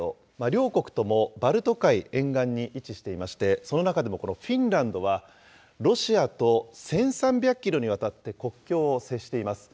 両国ともバルト海沿岸に位置していまして、その中でもこのフィンランドは、ロシアと１３００キロにわたって国境を接しています。